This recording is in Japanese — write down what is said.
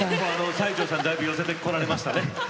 西城さんにだいぶ寄せてこられましたね。